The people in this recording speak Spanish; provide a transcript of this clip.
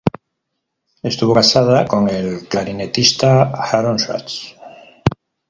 Estuvo casada con el clarinetista Aaron Sachs.